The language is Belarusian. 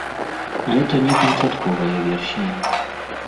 Гэта не канчатковая версія.